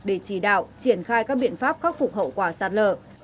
để chỉ đạo triển khai các biện pháp khắc phục hậu quả sát lợ